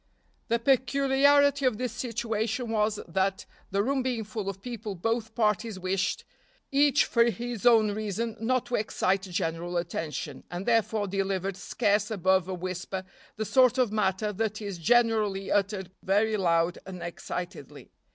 The peculiarity of this situation was, that, the room being full of people, both parties wished, each for his own reason, not to excite general attention, and therefore delivered scarce above a whisper the sort of matter that is generally uttered very loud and excitedly.